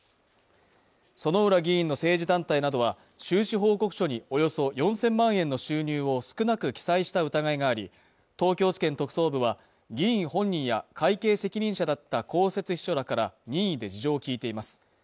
薗浦議員の政治団体などは収支報告書におよそ４０００万円の収入を少なく記載した疑いがあり東京地検特捜部は議員本人や会計責任者だった公設秘書らから任意で事情を聞いています